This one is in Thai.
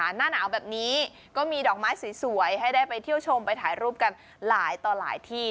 หน้าหนาวแบบนี้ก็มีดอกไม้สวยให้ได้ไปเที่ยวชมไปถ่ายรูปกันหลายต่อหลายที่